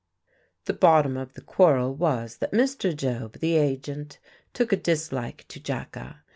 The bottom of the quarrel was that Mr. Job, the agent, took a dislike to Jacka.